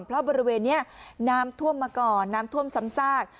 เพราะบริเวณนี้น้ำท่วมมาก่อนน้ำท่วมซ้ำซาก